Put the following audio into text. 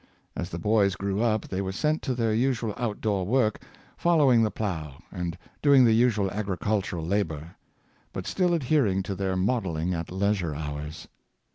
As the boys grew up they were sent to their usual outdoor work, following the plow, and doing the usual agricultural labor; but still adhering to their modelling at leisure hours.